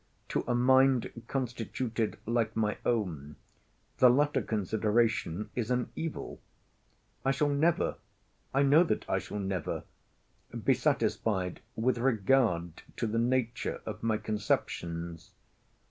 To a mind constituted like my own, the latter consideration is an evil. I shall never—I know that I shall never—be satisfied with regard to the nature of my conceptions.